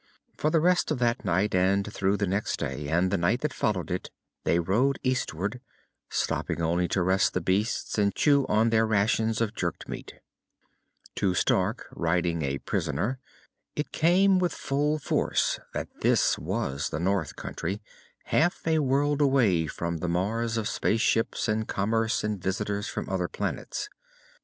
For the rest of that night, and through the next day and the night that followed it they rode eastward, stopping only to rest the beasts and chew on their rations of jerked meat. To Stark, riding a prisoner, it came with full force that this was the North country, half a world away from the Mars of spaceships and commerce and visitors from other planets.